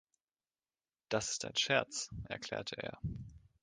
"Das ist ein Scherz", erklärte er.